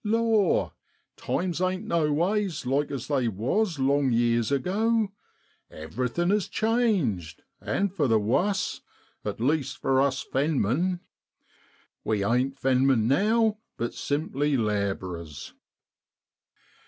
Law ! times ain't noways like as they was long years ago; everything is changed and for the wuss, at least for us fenmen. We ain't fenmen now, but simply lab'rers.